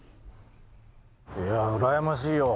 いやうらやましいよ。